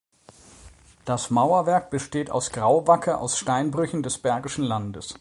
Das Mauerwerk besteht aus Grauwacke aus Steinbrüchen des Bergischen Landes.